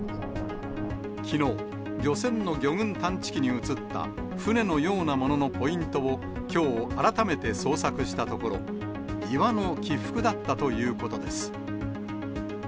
きのう、漁船の魚群探知機に映った船のようなもののポイントをきょう、改めて捜索したところ、岩の起伏だったということです。